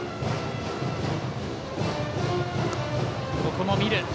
ここも見る。